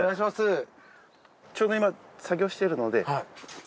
ちょうど今作業しているので。